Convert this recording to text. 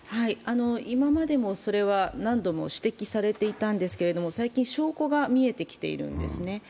今までもそれは何度も指摘されていたんですけれども最近、証拠が見えてきているんですね。